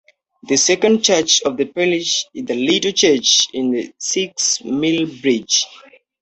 The second church of the parish is the "Little Church" in Sixmilebridge.